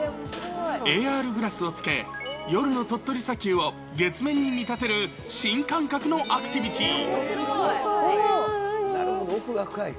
ＡＲグラスをつけ、夜の鳥取砂丘を月面に見立てる新感覚のアクティビティー。